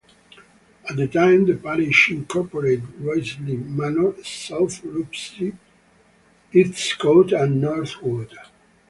At the time the parish incorporated Ruislip Manor, South Ruislip, Eastcote and Northwood.